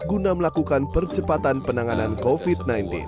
guna melakukan percepatan penanganan covid sembilan belas